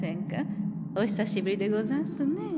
お久しぶりでござんすね。